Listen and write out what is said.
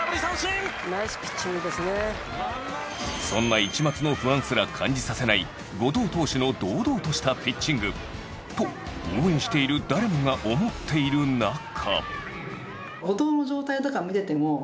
そんな一抹の不安すら感じさせない後藤投手の堂々としたピッチングと応援している誰もが思っている中。